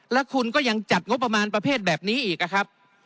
แล้วคุณก็ยังจัดงบประมาณประเภทแบบนี้อีกนะครับ